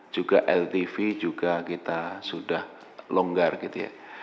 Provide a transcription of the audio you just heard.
juga ltv juga kita sudah longgar gitu ya